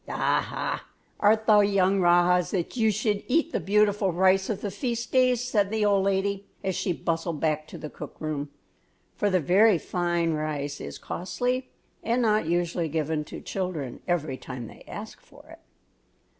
"Aha! art thou young rajahs that you should eat the beautiful rice of the feast days?" said the old lady, as she bustled back to the cook room; for the very fine rice is costly, and not usually given to children every time they ask for it.